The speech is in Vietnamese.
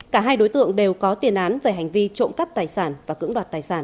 cả hai đối tượng đều có tiền án về hành vi trộm cắp tài sản và cưỡng đoạt tài sản